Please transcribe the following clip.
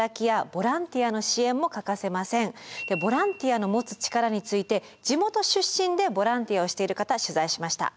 ボランティアの持つ力について地元出身でボランティアをしている方取材しました。